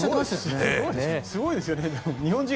すごいですよね日本人